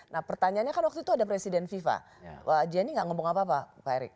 nah pertanyaannya kan waktu itu ada presiden viva pak jiani gak ngomong apa apa pak erik